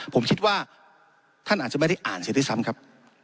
ผมคิดว่าท่านอาจจะไม่ได้อ่านเสียด้วยซ้ำครับ